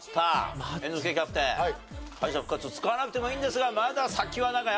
猿之助キャプテン敗者復活使わなくてもいいんですがまだ先は長い。